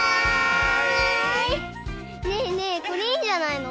ねえねえこれいいんじゃないの？